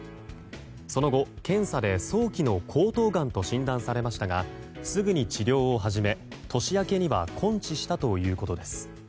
その後、検査で早期の喉頭がんと診断されましたがすぐに治療を始め年明けには根治したということです。